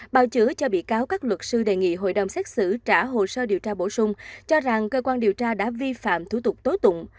bào chữa cho bị cáo các luật sư đề nghị hội đồng xét xử trả hồ sơ điều tra bổ sung cho rằng cơ quan điều tra đã vi phạm thủ tục tố tụng